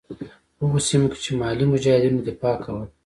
په هغو سیمو کې چې محلي مجاهدینو دفاع کوله.